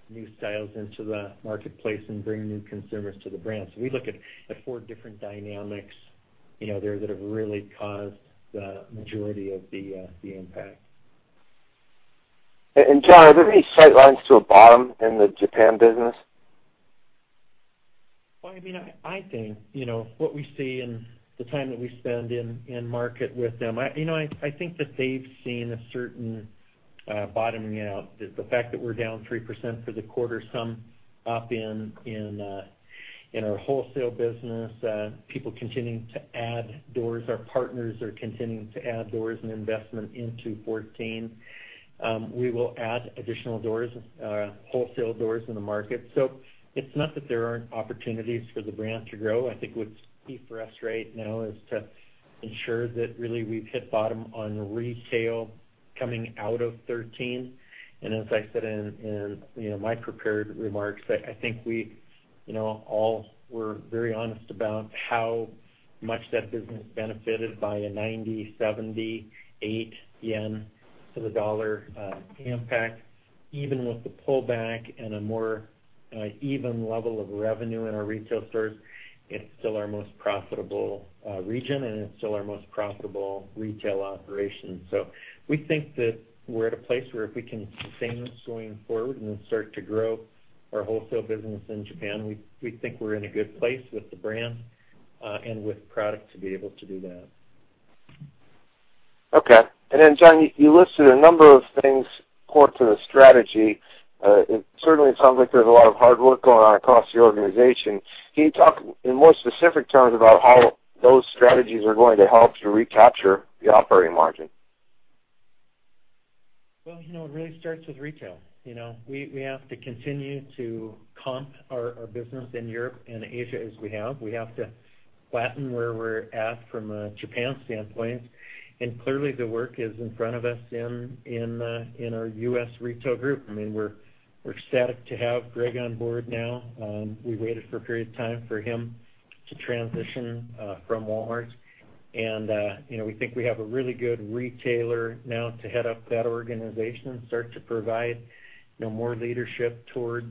new styles into the marketplace and bring new consumers to the brand. We look at four different dynamics there that have really caused the majority of the impact. John, are there any sight lines to a bottom in the Japan business? I think, what we see and the time that we spend in market with them, I think that they've seen a certain bottoming out. The fact that we're down 3% for the quarter, some up in our wholesale business, people continuing to add doors. Our partners are continuing to add doors and investment into 2014. We will add additional doors, wholesale doors in the market. It's not that there aren't opportunities for the brand to grow. I think what's key for us right now is to ensure that really we've hit bottom on retail coming out of 2013. As I said in my prepared remarks, I think we all were very honest about how much that business benefited by a 90, 78 yen to the USD impact. Even with the pullback and a more even level of revenue in our retail stores, it's still our most profitable region, and it's still our most profitable retail operation. We think that we're at a place where if we can sustain this going forward and then start to grow our wholesale business in Japan, we think we're in a good place with the brand, and with product to be able to do that. Okay. John, you listed a number of things core to the strategy. It certainly sounds like there's a lot of hard work going on across the organization. Can you talk in more specific terms about how those strategies are going to help to recapture the operating margin? Well, it really starts with retail. We have to continue to comp our business in Europe and Asia as we have. We have to flatten where we're at from a Japan standpoint. Clearly, the work is in front of us in our U.S. retail group. We're ecstatic to have Greg on board now. We waited for a period of time for him to transition from Walmart. We think we have a really good retailer now to head up that organization and start to provide more leadership towards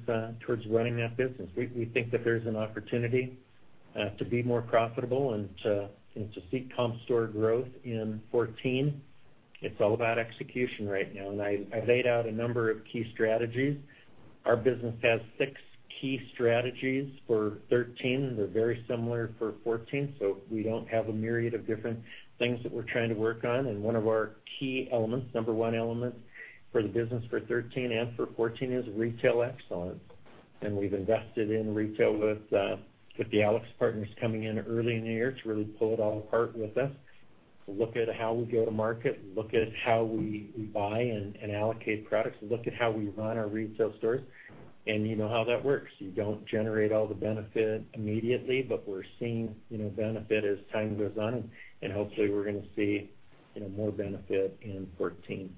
running that business. We think that there's an opportunity to be more profitable and to seek comp store growth in 2014. It's all about execution right now. I laid out a number of key strategies. Our business has six key strategies for 2013. They're very similar for 2014. We don't have a myriad of different things that we're trying to work on. One of our key elements, number 1 element for the business for 2013 and for 2014 is retail excellence. We've invested in retail with the AlixPartners coming in early in the year to really pull it all apart with us to look at how we go to market, look at how we buy and allocate products, look at how we run our retail stores. You know how that works. You don't generate all the benefit immediately, but we're seeing benefit as time goes on. Hopefully we're going to see more benefit in 2014.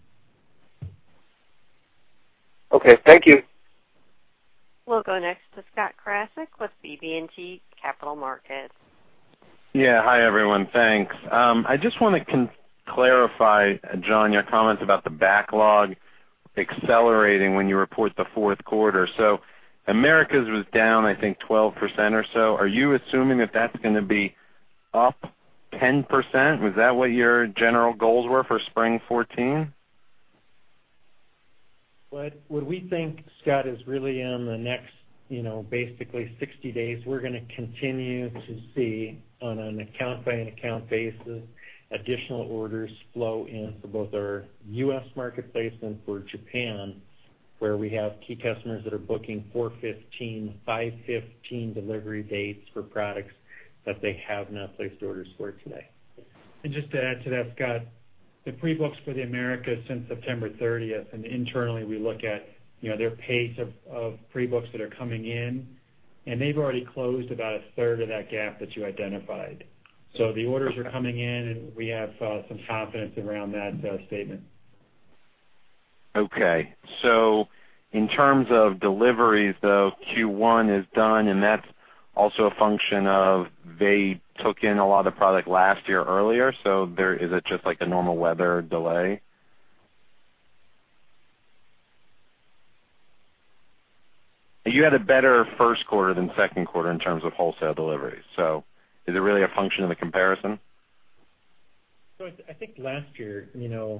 Okay. Thank you. We'll go next to Scott Krasik with BB&T Capital Markets. Hi, everyone. Thanks. I just want to clarify, John, your comments about the backlog accelerating when you report the fourth quarter. Americas was down, I think, 12% or so. Are you assuming that's going to be up 10%? Was that what your general goals were for spring 2014? What we think, Scott, is really in the next basically 60 days, we're going to continue to see on an account-by-an-account basis, additional orders flow in for both our U.S. marketplace and for Japan, where we have key customers that are booking 4/15, 5/15 delivery dates for products that they have not placed orders for today. Just to add to that, Scott, the pre-books for the Americas since September 30th, internally we look at their pace of pre-books that are coming in, they've already closed about a third of that gap that you identified. The orders are coming in, we have some confidence around that statement. Okay. In terms of deliveries, though, Q1 is done, that's also a function of they took in a lot of product last year earlier. Is it just like a normal weather delay? You had a better first quarter than second quarter in terms of wholesale deliveries. Is it really a function of the comparison? I think last year,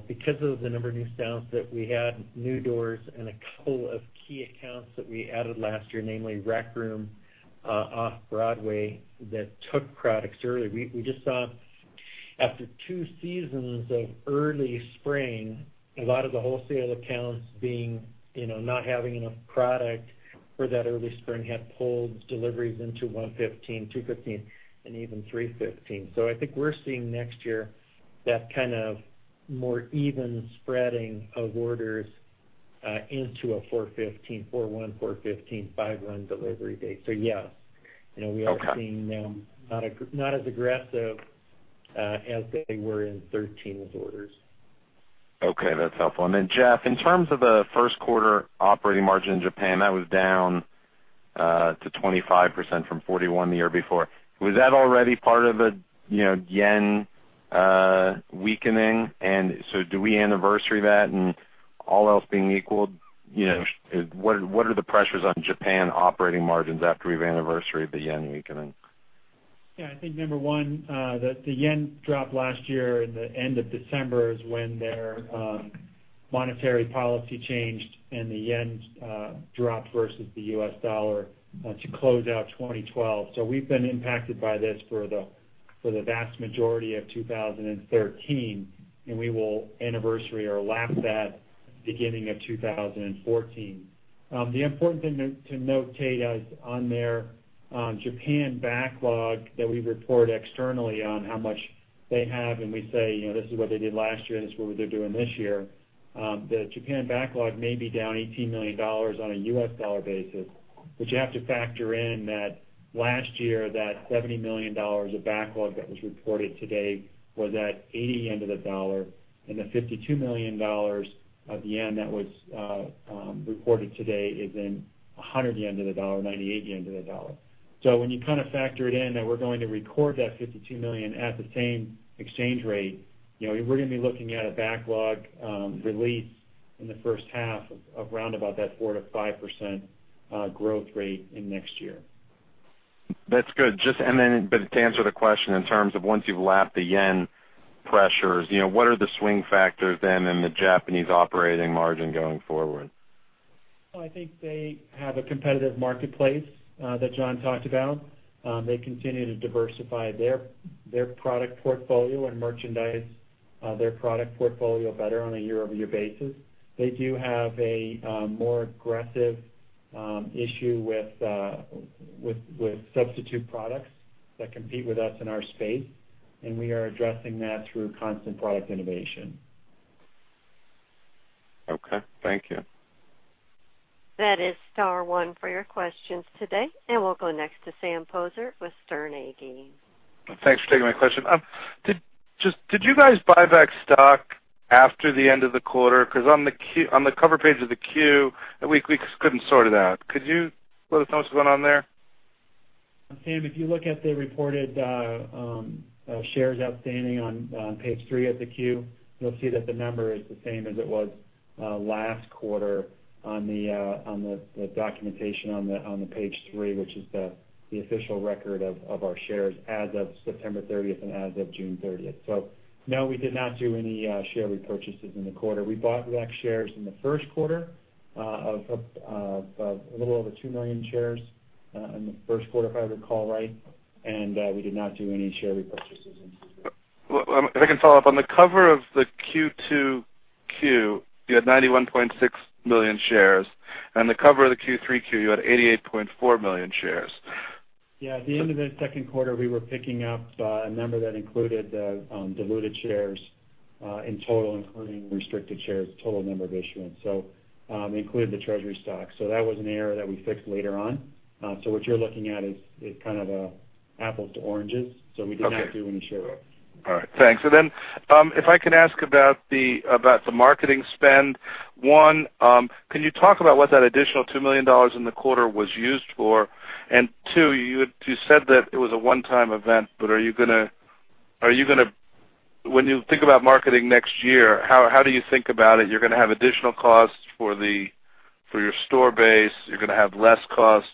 because of the number of new styles that we had, new doors and a couple of key accounts that we added last year, namely Rack Room Shoes, Off Broadway Shoe Warehouse, that took products early. We just saw after two seasons of early spring, a lot of the wholesale accounts being, not having enough product for that early spring had pulled deliveries into 1/15, 2/15, and even 3/15. I think we're seeing next year that kind of more even spreading of orders into a 4/15, 4/1, 4/15, 5/1 delivery date. Yes. Okay. We are seeing them not as aggressive as they were in 2013's orders. Okay, that's helpful. Then, Jeff, in terms of the first quarter operating margin in Japan, that was down to 25% from 41% the year before. Was that already part of a yen weakening? Do we anniversary that and all else being equal, what are the pressures on Japan operating margins after we've anniversaried the yen weakening? I think number one, the yen dropped last year in the end of December is when their monetary policy changed, and the yen dropped versus the US dollar to close out 2012. We've been impacted by this for the vast majority of 2013, and we will anniversary or lap that beginning of 2014. The important thing to note, Scott, is on their Japan backlog that we report externally on how much they have and we say, "This is what they did last year, this is what they're doing this year." The Japan backlog may be down $18 million on a U.S. dollar basis, but you have to factor in that last year, that $70 million of backlog that was reported today was at 80 yen to the dollar, and the $52 million of yen that was reported today is in 100 yen to the dollar, 98 yen to the dollar. When you factor it in that we're going to record that 52 million at the same exchange rate, we're going to be looking at a backlog release in the first half of round about that 4%-5% growth rate in next year. That's good. To answer the question in terms of once you've lapped the JPY pressures, what are the swing factors then in the Japanese operating margin going forward? Well, I think they have a competitive marketplace that John talked about. They continue to diversify their product portfolio and merchandise their product portfolio better on a year-over-year basis. They do have a more aggressive issue with substitute products that compete with us in our space, and we are addressing that through constant product innovation. Okay. Thank you. That is star one for your questions today, we'll go next to Sam Poser with Sterne Agee. Thanks for taking my question. Did you guys buy back stock after the end of the quarter? On the cover page of the Q, we just couldn't sort it out. Could you let us know what's going on there? Sam, if you look at the reported shares outstanding on page three of the Q, you'll see that the number is the same as it was last quarter on the documentation on page three, which is the official record of our shares as of September 30th and as of June 30th. No, we did not do any share repurchases in the quarter. We bought back shares in the first quarter of a little over 2 million shares in the first quarter, if I recall right, and we did not do any share repurchases in Q2. If I can follow up, on the cover of the Q2 Q, you had 91.6 million shares. The cover of the Q3 Q, you had 88.4 million shares. At the end of the second quarter, we were picking up a number that included the diluted shares in total, including restricted shares, total number of issuance. It included the treasury stock. That was an error that we fixed later on. What you're looking at is kind of an apples to oranges. We did not do any share repurchase. All right. Thanks. If I can ask about the marketing spend. One, can you talk about what that additional $2 million in the quarter was used for? Two, you said that it was a one-time event, are you going to when you think about marketing next year, how do you think about it? You're going to have additional costs for your store base. You're going to have less costs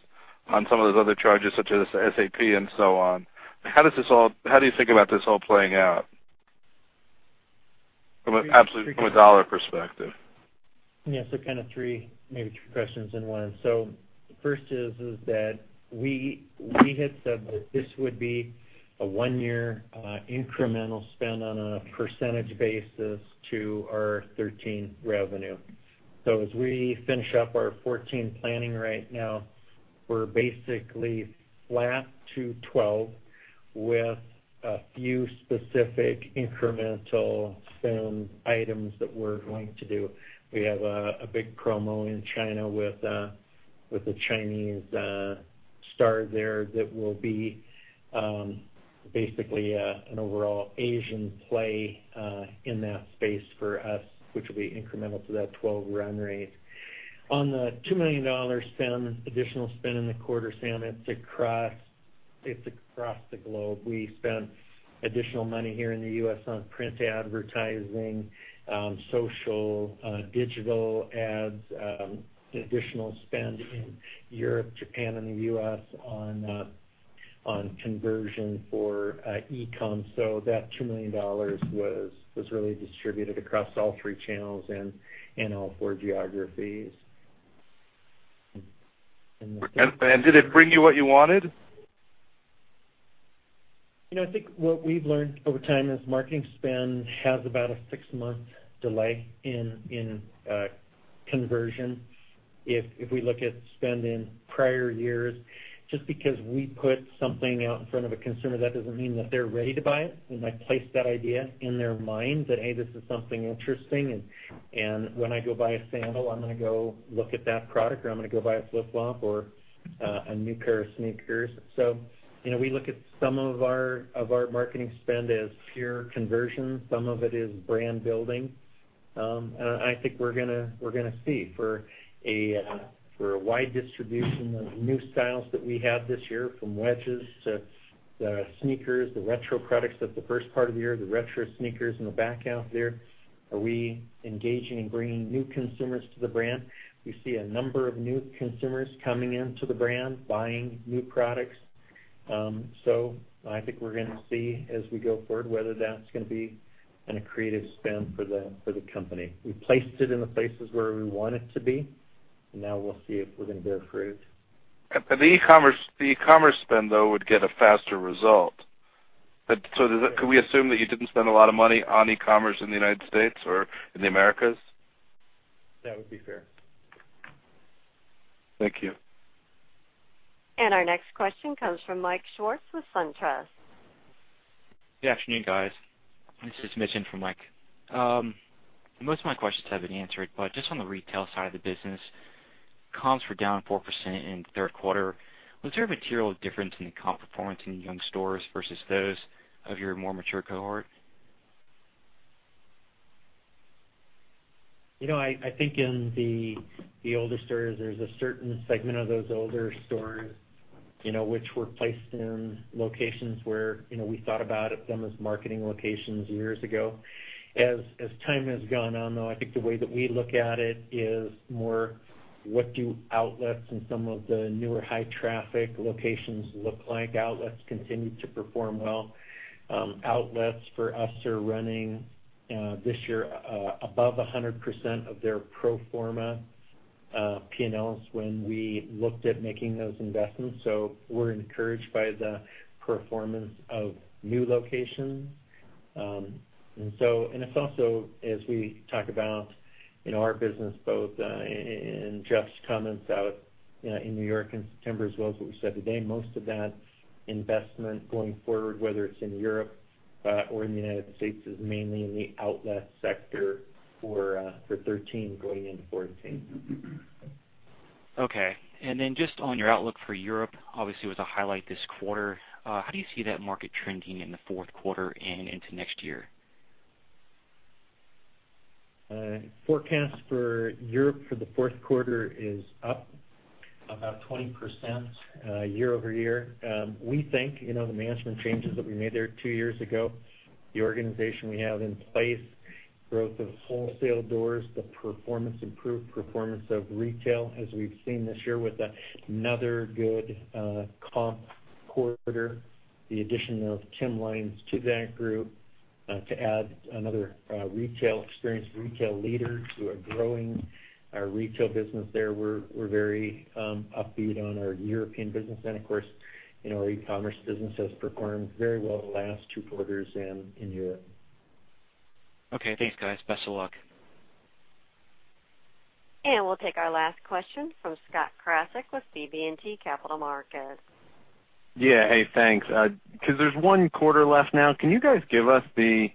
on some of those other charges, such as SAP and so on. How do you think about this all playing out from a dollar perspective? Yes. Kind of three, maybe three questions in one. The first is that we had said that this would be a one-year incremental spend on a percentage basis to our 2013 revenue. As we finish up our 2014 planning right now, we're basically flat to 2012 with a few specific incremental spend items that we're going to do. We have a big promo in China with a Chinese star there that will be basically an overall Asian play in that space for us, which will be incremental to that 2012 run rate. On the $2 million additional spend in the quarter, Sam, it's across the globe. We spent additional money here in the U.S. on print advertising, social, digital ads, additional spend in Europe, Japan, and the U.S. on conversion for e-com. That $2 million was really distributed across all three channels and all four geographies. Did it bring you what you wanted? I think what we've learned over time is marketing spend has about a six-month delay in conversion. If we look at spend in prior years, just because we put something out in front of a consumer, that doesn't mean that they're ready to buy it. We might place that idea in their minds that, hey, this is something interesting, and when I go buy a sandal, I'm going to go look at that product, or I'm going to go buy a flip-flop or a new pair of sneakers. We look at some of our marketing spend as pure conversion. Some of it is brand building. I think we're going to see for a wide distribution of new styles that we have this year, from wedges to the sneakers, the retro products at the first part of the year, the retro sneakers in the back half there. Are we engaging and bringing new consumers to the brand? We see a number of new consumers coming into the brand, buying new products. I think we're going to see as we go forward whether that's going to be an accretive spend for the company. We placed it in the places where we want it to be, and now we'll see if we're going to bear fruit. The e-commerce spend, though, would get a faster result. Can we assume that you didn't spend a lot of money on e-commerce in the U.S. or in the Americas? That would be fair. Thank you. Our next question comes from Mike Swartz with SunTrust. Good afternoon, guys. This is Mitch in for Mike. Most of my questions have been answered, but just on the retail side of the business, comps were down 4% in the third quarter. Was there a material difference in the comp performance in young stores versus those of your more mature cohort? I think in the older stores, there's a certain segment of those older stores which were placed in locations where we thought about them as marketing locations years ago. As time has gone on, though, I think the way that we look at it is more, what do outlets and some of the newer high-traffic locations look like? Outlets continue to perform well. Outlets for us are running this year above 100% of their pro forma P&Ls when we looked at making those investments. We're encouraged by the performance of new locations. It's also, as we talk about in our business, both in Jeff's comments out in New York in September, as well as what we've said today, most of that investment going forward, whether it's in Europe or in the U.S., is mainly in the outlet sector for 2013 going into 2014. Okay. Then just on your outlook for Europe, obviously it was a highlight this quarter. How do you see that market trending in the fourth quarter and into next year? Forecast for Europe for the fourth quarter is up about 20% year-over-year. We think, the management changes that we made there two years ago, the organization we have in place, growth of wholesale doors, the improved performance of retail as we've seen this year with another good comp quarter, the addition of Tim Lyons to that group to add another experienced retail leader to a growing retail business there. We're very upbeat on our European business. Of course, our e-commerce business has performed very well the last two quarters in Europe. Okay. Thanks, guys. Best of luck. We'll take our last question from Scott Krasic with BB&T Capital Markets. Yeah. Hey, thanks. There's one quarter left now, can you guys give us the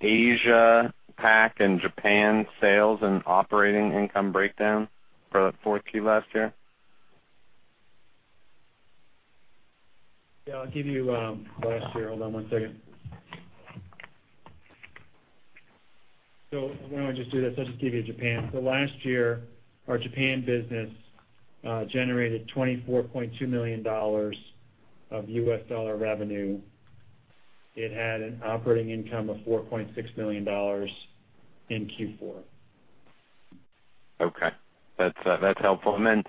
Asia Pac and Japan sales and operating income breakdown for that fourth Q last year? Yeah, I'll give you last year. Hold on one second. Why don't I just do this? I'll just give you Japan. Last year, our Japan business generated $24.2 million of US dollar revenue. It had an operating income of $4.6 million in Q4. Okay. That's helpful. Then,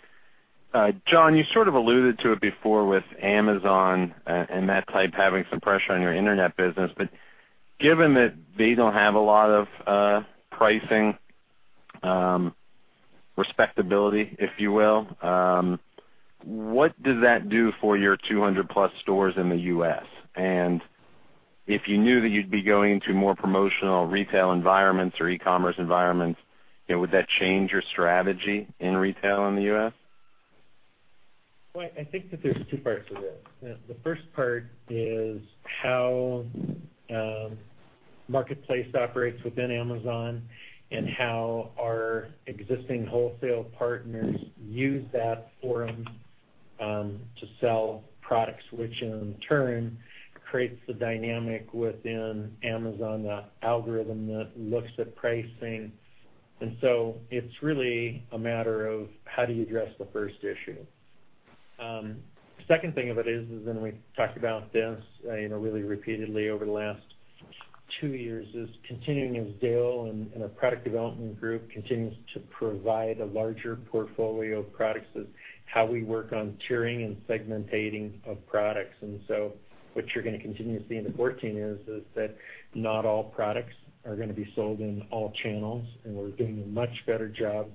John, you sort of alluded to it before with Amazon and that type having some pressure on your internet business. Given that they don't have a lot of pricing respectability, if you will, what does that do for your 200-plus stores in the U.S.? If you knew that you'd be going into more promotional retail environments or e-commerce environments, would that change your strategy in retail in the U.S.? Well, I think that there's two parts to this. The first part is how marketplace operates within Amazon and how our existing wholesale partners use that forum to sell products, which in turn creates the dynamic within Amazon, the algorithm that looks at pricing. It's really a matter of how do you address the first issue. Second thing of it is then we've talked about this really repeatedly over the last two years, is continuing as Dale and our product development group continues to provide a larger portfolio of products, is how we work on tiering and segmentating of products. What you're going to continue to see into 2014 is that not all products are going to be sold in all channels, and we're doing a much better job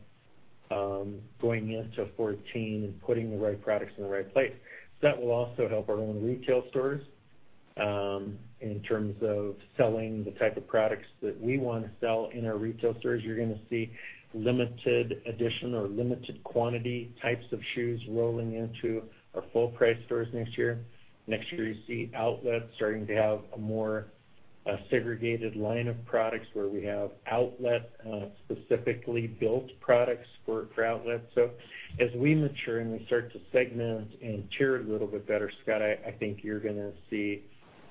going into 2014 and putting the right products in the right place. That will also help our own retail stores in terms of selling the type of products that we want to sell in our retail stores. You're going to see limited edition or limited quantity types of shoes rolling into our full-price stores next year. Next year, you see outlet starting to have a more segregated line of products where we have outlet, specifically built products for outlet. As we mature and we start to segment and tier it a little bit better, Scott, I think you're going to see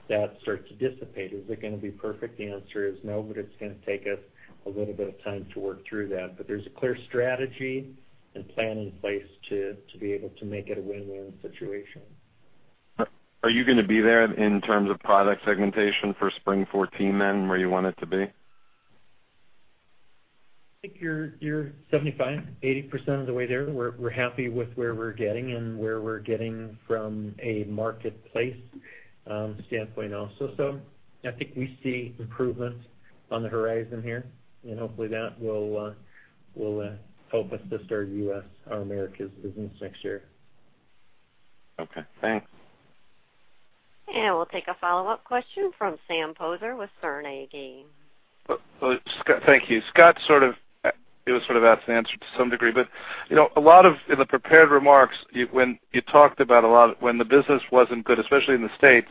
that start to dissipate. Is it going to be perfect? The answer is no, but it's going to take us a little bit of time to work through that. There's a clear strategy and plan in place to be able to make it a win-win situation. Are you going to be there in terms of product segmentation for spring 2014 then, where you want it to be? I think you're 75%, 80% of the way there. We're happy with where we're getting and where we're getting from a marketplace standpoint also. I think we see improvements on the horizon here, and hopefully, that will help us to start U.S., our Americas business next year. Okay, thanks. We'll take a follow-up question from Sam Poser with Sterne Agee. Thank you. It was sort of asked and answered to some degree. In the prepared remarks, when you talked about a lot, when the business wasn't good, especially in the U.S.,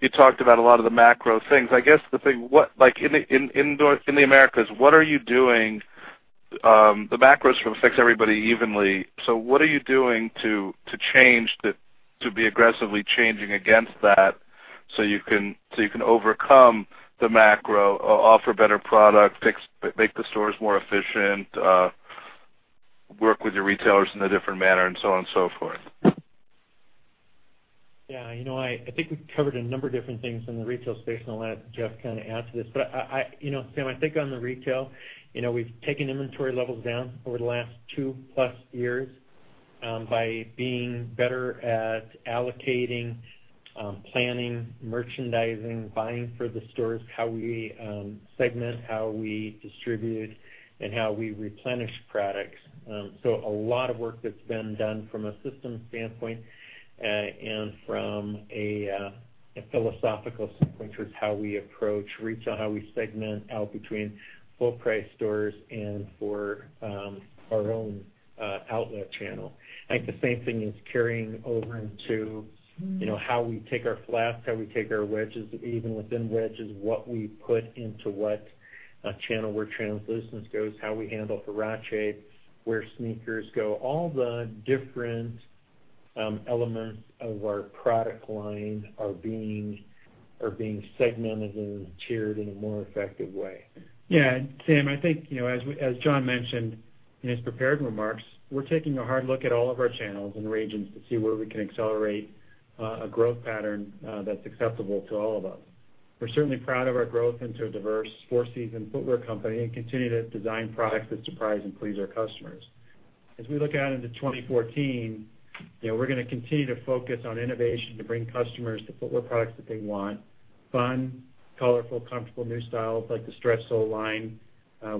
you talked about a lot of the macro things. I guess the thing, like in the Americas, what are you doing? The macros sort of affects everybody evenly. What are you doing to change to be aggressively changing against that so you can overcome the macro, offer better product, make the stores more efficient, work with your retailers in a different manner, and so on and so forth? I think we've covered a number of different things in the retail space, and I'll let Jeff kind of add to this. Sam, I think on the retail, we've taken inventory levels down over the last 2+ years by being better at allocating, planning, merchandising, buying for the stores, how we segment, how we distribute, and how we replenish products. A lot of work that's been done from a systems standpoint and from a philosophical standpoint towards how we approach retail, how we segment out between full-price stores and for our own outlet channel. I think the same thing is carrying over into how we take our flats, how we take our wedges, even within wedges, what we put into what channel, where Translucents goes, how we handle Huarache, where sneakers go. All the different elements of our product line are being segmented and tiered in a more effective way. Sam, I think, as John mentioned in his prepared remarks, we're taking a hard look at all of our channels and regions to see where we can accelerate a growth pattern that's acceptable to all of us. We're certainly proud of our growth into a diverse four-season footwear company and continue to design products that surprise and please our customers. As we look out into 2014, we're going to continue to focus on innovation to bring customers the footwear products that they want. Fun, colorful, comfortable, new styles like the Stretch Sole line,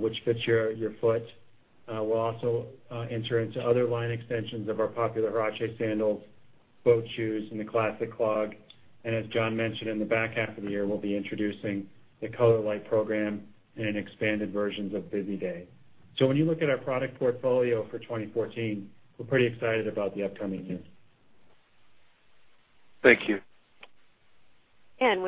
which fits your foot. We'll also enter into other line extensions of our popular Huarache sandals, boat shoes, and the classic clog. As John mentioned, in the back half of the year, we'll be introducing the ColorLite program and expanded versions of Busy Day. When you look at our product portfolio for 2014, we're pretty excited about the upcoming year. Thank you. With that